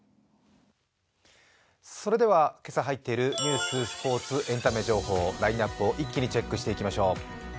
それでは、今朝入っているニュース、ニュース、エンタメ情報、ラインナップを一気にチェックしていきましょう。